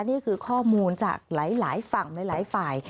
นี่คือข้อมูลจากหลายฝั่งหลายฝ่าย